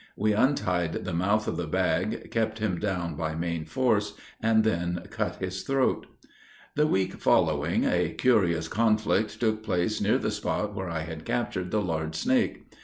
We untied the mouth of the bag, kept him down by main force, and then cut his throat. The week following, a curious conflict took place near the spot where I had captured the large snake.